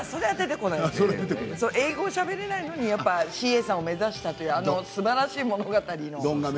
英語をしゃべることができないのにＣＡさんを目指したすばらしい物語。